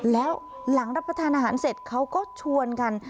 แล้วหลังรับประทานอาหารเสร็จเขาก็ชวนกัน